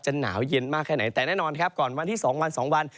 หนาวเย็นมากแค่ไหนแต่แน่นอนครับก่อนวันที่๒วัน๒วัน